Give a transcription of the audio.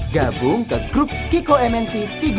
gabung ke grup kiko mnc tiga puluh dua